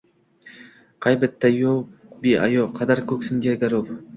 Qay bitta yov beayov, qadar koʼksingga gʼarov